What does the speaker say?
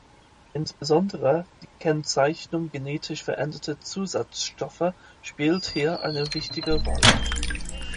Insbesondere die Kennzeichnung genetisch veränderter Zusatzstoffe spielt hier eine wichtige Rolle.